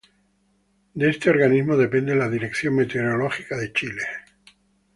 De este organismo depende la Dirección Meteorológica de Chile.